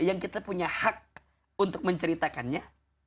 yang kita punya hak untuk menceritakannya